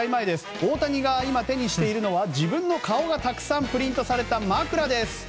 大谷が今、手にしているのは自分の顔がたくさんプリントされた枕です。